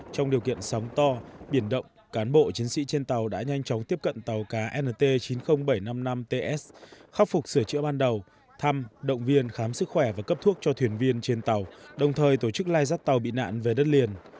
trong điều kiện sóng to biển động cán bộ chiến sĩ trên tàu đã nhanh chóng tiếp cận tàu cá nt chín mươi nghìn bảy trăm năm mươi năm ts khắc phục sửa chữa ban đầu thăm động viên khám sức khỏe và cấp thuốc cho thuyền viên trên tàu đồng thời tổ chức lai dắt tàu bị nạn về đất liền